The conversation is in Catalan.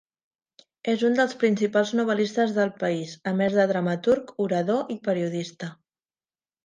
És un dels principals novel·listes del país, a més de dramaturg, orador i periodista.